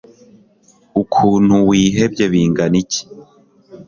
Ukuntu wihebye bingana iki